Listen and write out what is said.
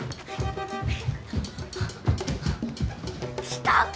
来たか！